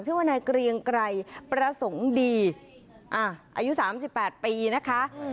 ชื่อว่านายเกรียงไกรประสงค์ดีอายุ๓๘ปีนะคะ